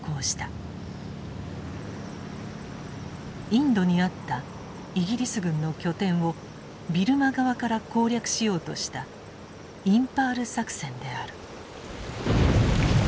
インドにあったイギリス軍の拠点をビルマ側から攻略しようとしたインパール作戦である。